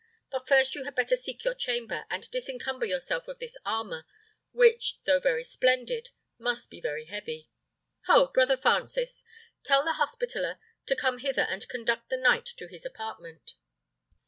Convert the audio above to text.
But first you had better seek your chamber, and disencumber yourself of this armour, which, though very splendid, must be very heavy. Ho! brother Francis, tell the hospitaller to come hither and conduct the knight to his apartment."